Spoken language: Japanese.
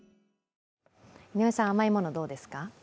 井上さん、甘いものどうですか？